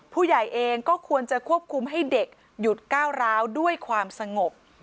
ผู้ใหญ่เองก็ควรจะควบคุมให้เด็กหยุดก้าวร้าวด้วยความสงบ